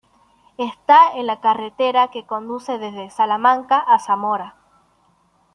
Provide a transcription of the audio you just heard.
Está en la carretera que conduce desde Salamanca a Zamora.